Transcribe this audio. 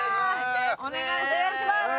お願いします！